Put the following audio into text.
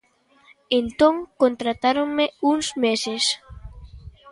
Entón contratáronme uns meses.